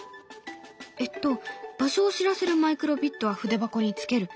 えっと場所を知らせるマイクロビットは筆箱につける。